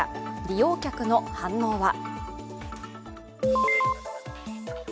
利用客の反応は？